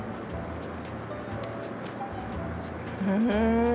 うん！